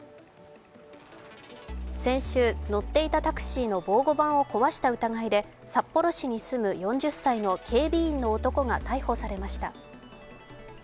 先週、乗っていたタクシーの防護板を壊した疑いで札幌市に住む４０歳の警備員の男が逮捕されました。